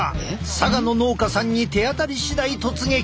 佐賀の農家さんに手当たりしだい突撃。